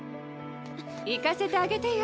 行かせてあげてよ！